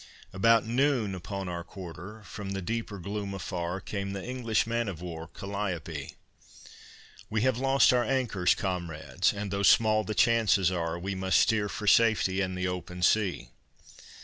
About noon, upon our quarter, from the deeper gloom afar, Came the English man of war Calliope: "We have lost our anchors, comrades, and, though small the chances are, We must steer for safety and the open sea."